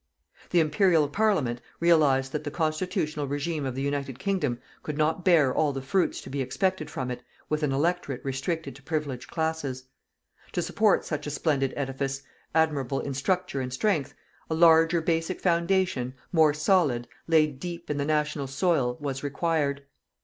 The Imperial Parliament realized that the constitutional regime of the United Kingdom could not bear all the fruits to be expected from it with an electorate restricted to privileged classes. To support such a splendid edifice, admirable in structure and strength, a larger basic foundation, more solid, laid deep in the national soil, was required.